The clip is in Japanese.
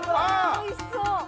おいしそう。